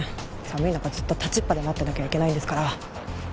寒い中ずっと立ちっぱで待ってなきゃいけないんですから。